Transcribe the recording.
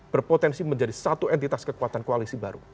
berpotensi menjadi satu entitas kekuatan koalisi baru